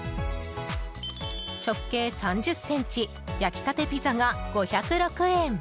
直径３０ｃｍ焼き立てピザが５０６円。